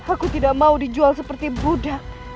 aku tidak mau dijual seperti buddha